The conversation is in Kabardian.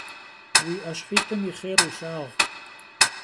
Vui 'eşhit'ım yi xhêr vulhağu!